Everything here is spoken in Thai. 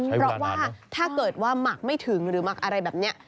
เพราะว่าถ้าเกิดว่าหมักไม่ถึงหรือหมักอะไรแบบนี้